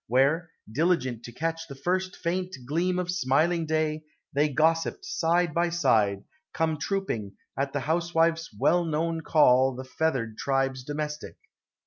Where, diligent to catch the first faint gleam Of smiling da}', they gossiped side by side, Come trooping at the housewife's well known call The feathered tribes domestic.